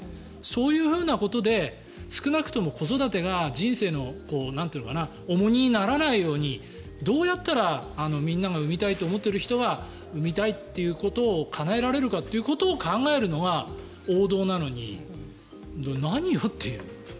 そういうことで少なくとも子育てが人生の重荷にならないようにどうやったらみんなが生みたいと思っている人がいたら生みたいということをかなえられるかというのを考えるのが王道なのに何よっていう。